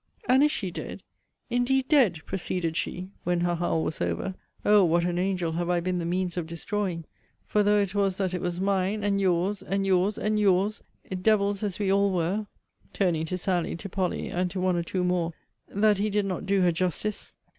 And is she dead? Indeed dead? proceeded she, when her howl was over O what an angel have I been the means of destroying! For though it was that it was mine, and your's, and your's, and your's, devils as we all were [turning to Sally, to Polly, and to one or two more] that he did not do her justice!